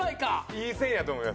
いい線やと思います。